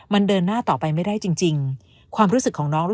มันเดินหน้าต่อไปไม่ได้จริง